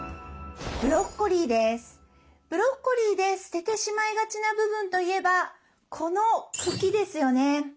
ブロッコリーで捨ててしまいがちな部分といえばこの茎ですよね。